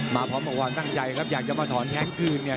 มาพร้อมกับความตั้งใจครับอยากจะมาถอนแท้งคืนเนี่ย